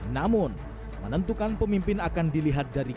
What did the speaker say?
namun menentukan pemimpin akan dilihat dari